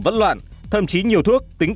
vẫn loạn thậm chí nhiều thuốc tính